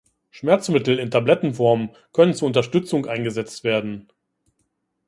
Schmerzmittel in Tablettenform können zur Unterstützung eingesetzt werden.